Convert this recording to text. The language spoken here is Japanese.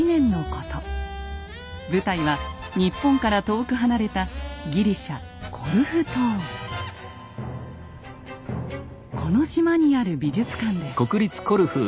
舞台は日本から遠く離れたこの島にある美術館です。